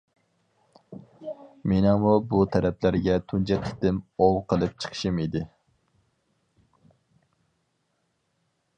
مېنىڭمۇ بۇ تەرەپلەرگە تۇنجى قېتىم ئوۋ قىلىپ چىقىشىم ئىدى.